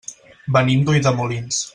Venim d'Ulldemolins.